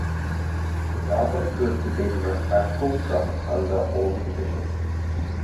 The Garford proved to be the most practical truck under all conditions.